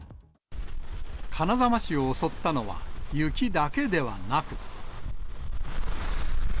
金沢市を襲ったのは雪だけではなく。